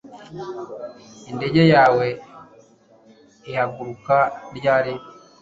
Indege yawe ihaguruka ryari